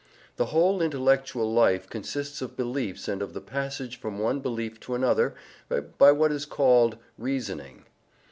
The whole intellectual life consists of beliefs, and of the passage from one belief to another by what is called "reasoning."